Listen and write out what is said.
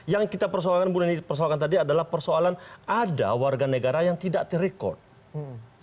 yang kita persoalkan tadi adalah persoalan ada warga negara yang tidak terekam